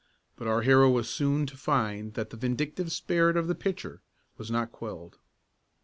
But our hero was soon to find that the vindictive spirit of the pitcher was not quelled.